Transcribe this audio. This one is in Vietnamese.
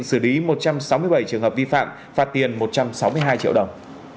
xử lý một trăm sáu mươi bảy trường hợp vi phạm phạt tiền một trăm sáu mươi hai triệu đồng